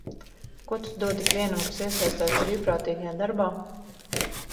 Ko tas dod ikvienam, kas iesaistās brīvprātīgajā darbā?